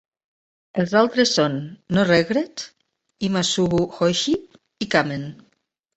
Les altres són "No Regret", "Ima Sugu Hoshii" i "Kamen".